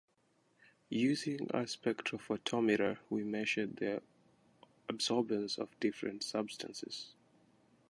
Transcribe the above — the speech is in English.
Using a spectrophotometer, we measured the absorbance of different substances.